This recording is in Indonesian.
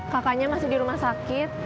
kakaknya masih di rumah sakit